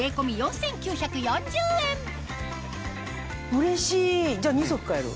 うれしいじゃあ２足買える。